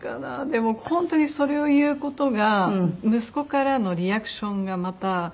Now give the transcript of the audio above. でも本当にそれを言う事が息子からのリアクションがまた。